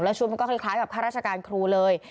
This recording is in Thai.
ชุดมันก็คล้ายกับข้าราชการครูเลย